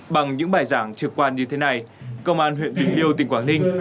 bằng những bài giảng trực quan như thế này công an huyện bình liêu tỉnh quảng ninh